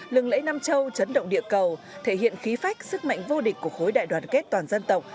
lẫy nam châu chấn động địa cầu thể hiện khí phách sức mạnh vô địch của khối đại đoàn kết toàn dân tộc